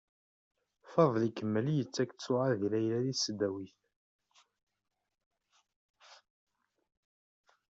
Faḍel ikemmel yettak ttiεad i Layla deg tesdawit.